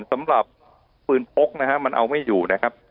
สำหรับปืนพกนะฮะมันเอาไม่อยู่นะครับ